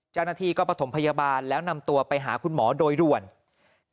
เจ้าหน้าที่ก็ประถมพยาบาลแล้วนำตัวไปหาคุณหมอโดยด่วน